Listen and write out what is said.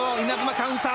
カウンター。